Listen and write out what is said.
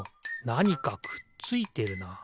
なにかくっついてるな。